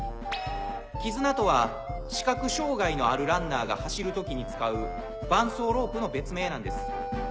「絆」とは視覚障がいのあるランナーが走る時に使う伴走ロープの別名なんです。